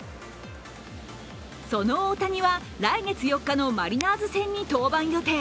その大谷は来月４日のマリナーズ戦に登板予定。